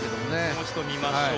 もう一度見ましょう。